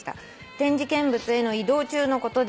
「展示見物への移動中のことでした」